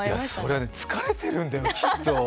それは疲れてるんだよ、きっと。